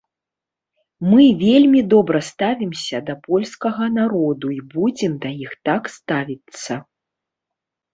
Мы вельмі добра ставімся да польскага народу і будзем да іх так ставіцца.